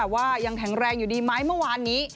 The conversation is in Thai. ว่ายังแข็งแรงอยู่ดีไหมเมื่อวานนี้